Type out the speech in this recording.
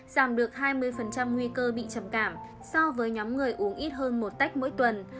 giảm được hai mươi nguy cơ bị trầm cảm so với nhóm người uống ít hơn một tách mỗi tuần